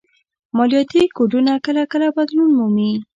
مالياتي کوډونه کله کله بدلون مومي